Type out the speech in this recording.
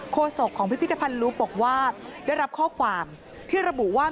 โศกของพิพิธภัณฑ์ลูฟบอกว่าได้รับข้อความที่ระบุว่า